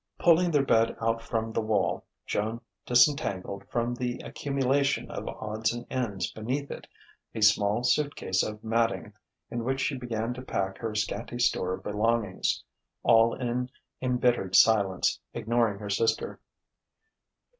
Pulling their bed out from the wall, Joan disentangled from the accumulation of odds and ends beneath it a small suit case of matting, in which she began to pack her scanty store of belongings: all in embittered silence, ignoring her sister.